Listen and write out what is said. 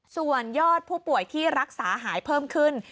ส่วนยอดผู้ป่วยที่รักษาหายเพิ่มขึ้น